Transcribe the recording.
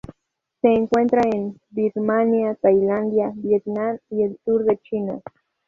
Se encuentra en Birmania, Tailandia, Vietnam y el sur de China.